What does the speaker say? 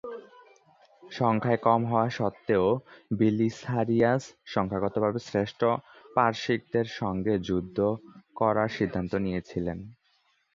সংখ্যায় কম হওয়া সত্ত্বেও, বিলিসারিয়াস সংখ্যাগতভাবে শ্রেষ্ঠ পারসীকদের সঙ্গে যুদ্ধ করার সিদ্ধান্ত নিয়েছিলেন।